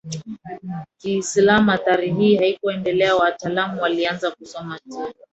Kiislamu athari hii haikuendelea Wataalamu walianza kusoma tena